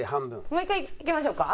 もう一回いきましょうか。